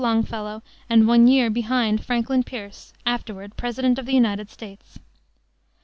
Longfellow and one year behind Franklin Pierce, afterward President of the United States.